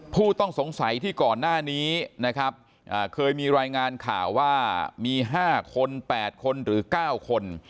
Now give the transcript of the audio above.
ผู้ต้องสงสัยที่ก่อนหน้านี้นะครับเคยมีรายงานข่าวว่ามี๕คน๘คนหรือ๙คน